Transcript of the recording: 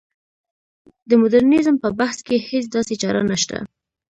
د مډرنیزم په بحث کې هېڅ داسې چاره نشته.